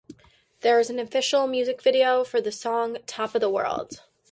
There is an official music video for the song "Top of the World".